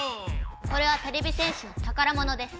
これはてれび戦士のたからものです。